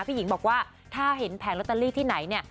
พี่หญิงบอกว่าถ้าเห็นแผงลอตเตอรี่ที่ไหนเนี่ย